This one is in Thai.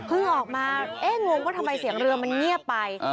ออกมาเอ๊ะงงว่าทำไมเสียงเรือมันเงียบไป